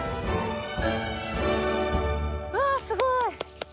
うわっすごい。